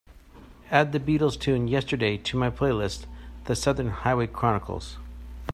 Add the Beatles tune Yesterday to my playlist, The Southern Highway Chronicles